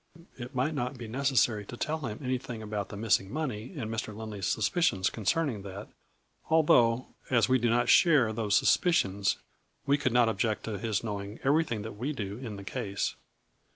It might not be necessary to tell him any thing about the missing money and Mr. Lind ley's suspicions concerning that, although, as we do not share, those suspicions, we could not object to his knowing everything that we do in the case.